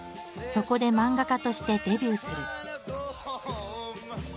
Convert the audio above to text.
そこで漫画家としてデビューする。